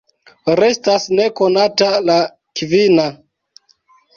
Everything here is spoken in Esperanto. Restas nekonata la kvina.